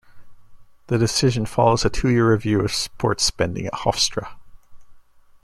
The decision follows a two-year review of sports spending at Hofstra.